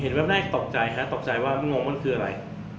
เห็นเว็บนี้ก็ตกใจค่ะตกใจว่างงมันคืออะไร